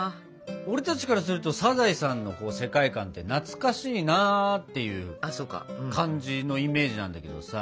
俺たちからするとサザエさんの世界観って懐かしいなっていう感じのイメージなんだけどさ。